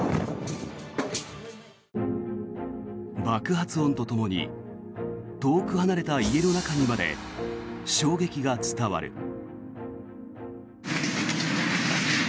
爆発音とともに遠く離れた家の中にまで衝撃が伝わる。